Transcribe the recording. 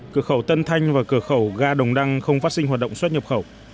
cửa khẩu tân thanh và cửa khẩu ga đồng đăng không phát sinh hoạt động xuất nhập khẩu